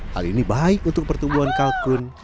hal ini baik untuk pertumbuhan kalkun